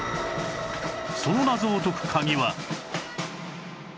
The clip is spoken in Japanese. その謎を解く鍵は